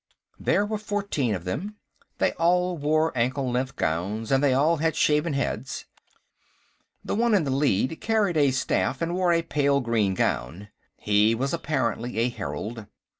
There were fourteen of them. They all wore ankle length gowns, and they all had shaven heads. The one in the lead carried a staff and wore a pale green gown; he was apparently a herald.